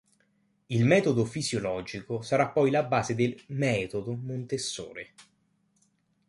Il metodo fisiologico sarà poi la base del "metodo" Montessori.